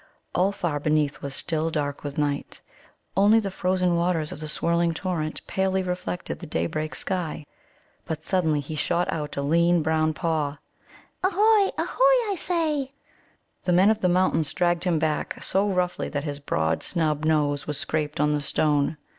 All far beneath was still dark with night; only the frozen waters of the swirling torrent palely reflected the daybreak sky. But suddenly he shot out a lean brown paw. "Ahôh, ahôh! I say!" The Men of the Mountains dragged him back so roughly that his broad snub nose was scraped on the stone.